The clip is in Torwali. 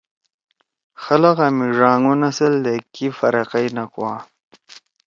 خلگا می ڙانگ او نسل تے کی فرقئی نہ کوا۔